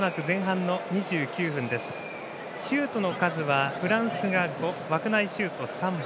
シュートの数はフランスは５枠内シュート３本。